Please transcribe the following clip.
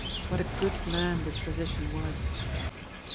What a good man this physician was!